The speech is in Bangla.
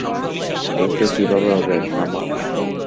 এতে কীভাবে হবে, শামা?